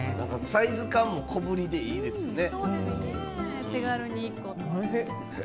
サイズ感も小ぶりでいいですよね。